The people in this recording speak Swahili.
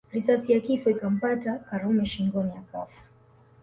Risasi ya kifo ikampata Karume shingoni akafa